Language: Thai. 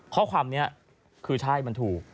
ข้อความนี้คือใช่มันถูก